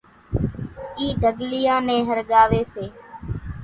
اِِي ڍڳليان نين ۿرڳاوي سي،